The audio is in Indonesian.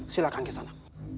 silahkan ke sana